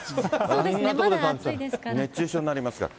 こんな所で食べたら熱中症になりますから。